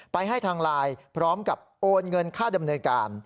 ไปให้ทางไลน์พร้อมกับโอนเงินค่าดำเนินการ